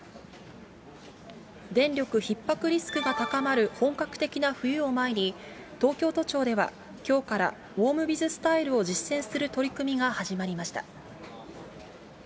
電力ひっ迫リスクが高まる本格的な冬を前に、東京都庁では、きょうからウォームビズスタイルを実践する取り組みが始まりました。